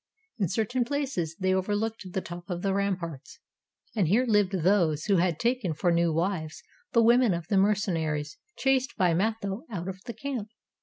In certain places they overlooked the top of the ramparts, and here lived those who had taken for new wives the women of the mercenaries chased by Matho out of the camp.